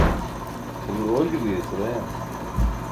sabuur oolji guyeca bayam